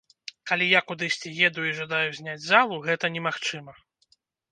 Калі я кудысьці еду і жадаю зняць залу, гэта немагчыма.